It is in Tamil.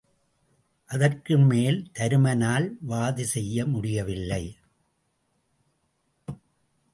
அதற்குமேல் தருமனால் வாது செய்ய முடியவில்லை.